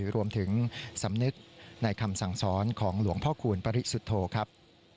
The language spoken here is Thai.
รวมถึงสำนึกในคำสั่งสอนของหลวงพ่อคูณปริสุทธโธครับ